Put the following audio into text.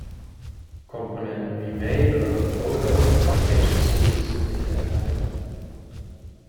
Komponenten wie Mail oder Composer aus der Application Suite sind nicht enthalten.